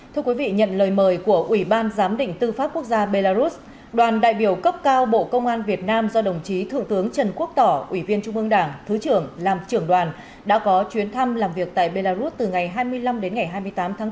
thưa quý vị nhận lời mời của ủy ban giám định tư pháp quốc gia belarus đoàn đại biểu cấp cao bộ công an việt nam do đồng chí thượng tướng trần quốc tỏ ủy viên trung ương đảng thứ trưởng làm trưởng đoàn đã có chuyến thăm làm việc tại belarus từ ngày hai mươi năm đến ngày hai mươi tám tháng bốn